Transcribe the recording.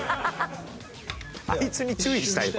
あいつに注意したいわ。